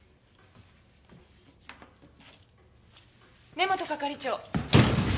根本係長。